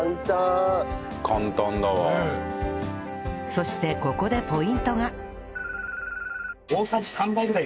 そしてここでポイントが